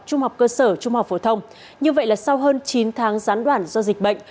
trung học cơ sở trung học phổ thông như vậy là sau hơn chín tháng gián đoạn do dịch bệnh